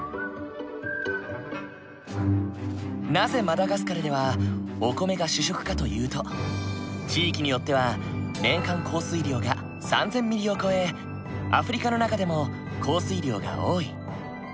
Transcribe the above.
なぜマダガスカルではお米が主食かというと地域によっては年間降水量が３，０００ｍｍを超えアフリカの中でも降水量が多い。